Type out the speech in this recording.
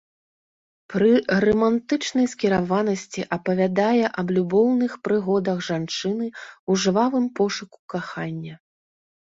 Пры рамантычнай скіраванасці апавядае аб любоўных прыгодах жанчыны ў жвавым пошуку кахання.